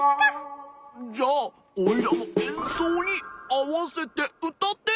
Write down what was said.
じゃオイラのえんそうにあわせてうたって！